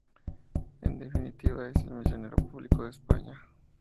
En definitiva, es el Ministerio Público de España.